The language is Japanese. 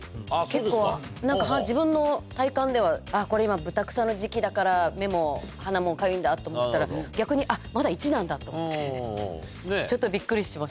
結構自分の体感ではこれ今ブタクサの時期だから目も鼻もかゆいんだと思ったら逆にまだ１なんだと思ってちょっとびっくりしました。